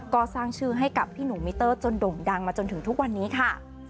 ก็สร้างชื่อให้กับพี่หนุ่มมิเตอร์จนด่งดังมาจนถึงทุกวันนี้ค่ะ